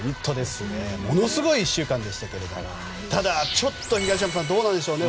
ものすごい１週間でしたけどただ、東山さんどうなんでしょうね。